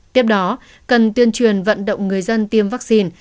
tiếp đó cần tuyên truyền vận động người dân tiêm vaccine